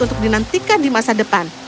untuk dinantikan di masa depan